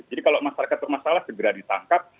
jadi kalau masyarakat bermasalah segera ditangkap